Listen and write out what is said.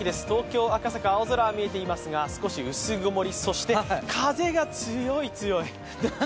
東京・赤坂、青空は見えていますが、少し薄曇りそして風が強い強い。